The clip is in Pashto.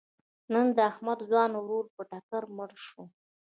نن د احمد ځوان ورور په ټکر مړ شو.